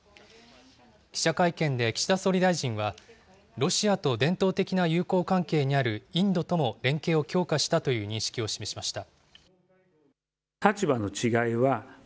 記者会見で岸田総理大臣は、ロシアと伝統的な友好関係にあるインドとも連携を強化したという認識を示しました。